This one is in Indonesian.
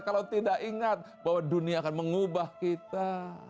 kalau tidak ingat bahwa dunia akan mengubah kita